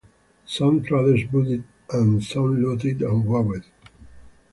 Some traders booed, and some laughed and waved.